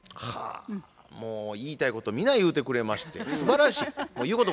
はぁもう言いたいこと皆言うてくれましてすばらしい。